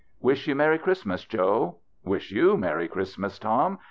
" Wish you merry Christmas, Joe." " Wish you merry Christmas, Tom.